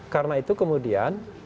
karena itu kemudian